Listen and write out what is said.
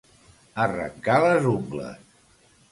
Arrencar les ungles.